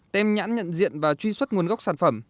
tem nhãn nhận diện và truy xuất nguồn gốc sản phẩm